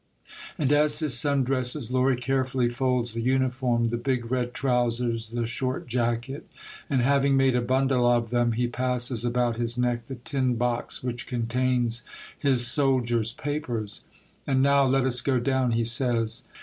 And as his son dresses, Lory carefully folds the uniform, the big red trousers, the short jacket, and having made a bundle of them, he passes about his neck the tin box which contains his soldier's papers. "■ And now let us go down," he says.